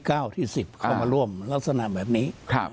เข้ามาร่วมลักษณะแบบนี้